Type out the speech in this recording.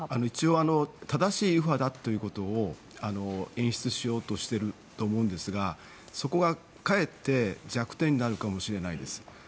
一応正しい右派だということを演出しようとしていると思うんですがそこが、かえって弱点になるかもしれないです。